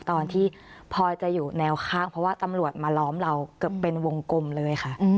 ตอนที่พอจะอยู่แนวข้างเพราะว่าตำรวจมาล้อมเราเกือบเป็นวงกลมเลยค่ะ